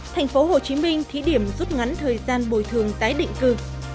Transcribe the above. thành phố hồ chí minh thí điểm rút ngắn thời gian bồi thường tái định cư